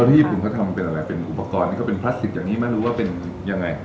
ที่ญี่ปุ่นเขาทำเป็นอะไรเป็นอุปกรณ์ที่เขาเป็นพลาสติกอย่างนี้ไม่รู้ว่าเป็นยังไง